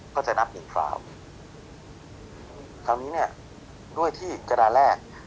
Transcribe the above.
ก็จะนับหนึ่งคราวคราวนี้เนี่ยด้วยที่กระดานแรก